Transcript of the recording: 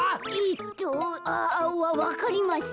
えっとわかりません。